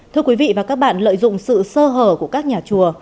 thưa quý vị và các bạn lợi dụng sự sơ hở của các nhà chùa